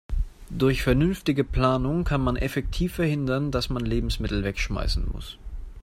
Durch vernünftige Planung kann man effektiv verhindern, dass man Lebensmittel wegschmeißen muss.